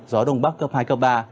gió đông bắc cấp hai cấp ba